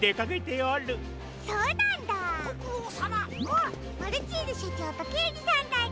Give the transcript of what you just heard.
あっマルチーズしょちょうとけいじさんたち。